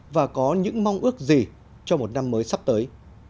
và có những mong ước gì cho một năm mới sắp tới